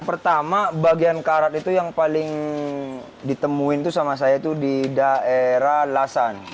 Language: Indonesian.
pertama bagian karat itu yang paling ditemuin itu sama saya itu di daerah lasan